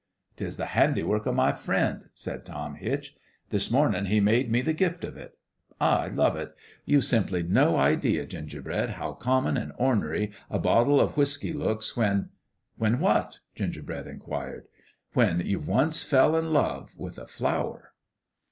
" 'Tis the handiwork o' my Friend," said Tom Hitch. " This mornin' He made me the gift of it. I love it. You've simply no idea, Ginger bread, how common an' ornery a bottle o' whiskey looks when "" When what ?" Gingerbread inquired. " When you've once fell in love with a flower